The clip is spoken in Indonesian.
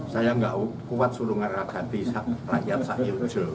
saya tidak kuat seluruh negara negara di rakyat saya